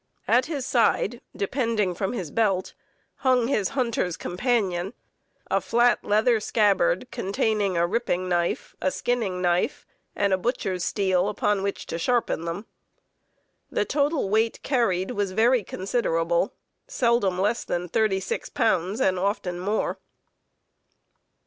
At his side, depending from his belt, hung his "hunter's companion," a flat leather scabbard, containing a ripping knife, a skinning knife, and a butcher's steel upon which to sharpen them. The total weight carried was very considerable, seldom less than 36 pounds, and often more.